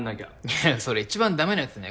いやそれ一番だめなやつね